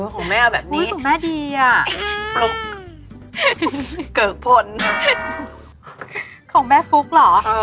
ของแม่เอาแบบนี้ปลุ๊กเกิกพลของแม่ปลุ๊กเหรอ